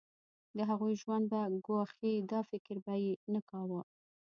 د هغوی ژوند به ګواښي دا فکر به یې نه کاوه.